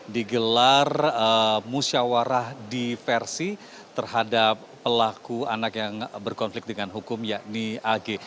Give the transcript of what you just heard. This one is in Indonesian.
digelar musyawarah diversi terhadap pelaku anak yang berkonflik dengan hukum yakni ag